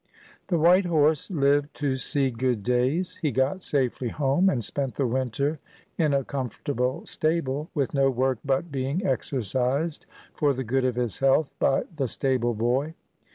THE white horse lived to see good days. He got safely home, and spent the winter in a comfortable stable, with no work but being exercised for the good of his health by the stable boy.